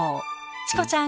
チコちゃん